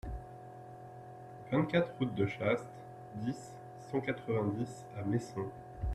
vingt-quatre route de Chaast, dix, cent quatre-vingt-dix à Messon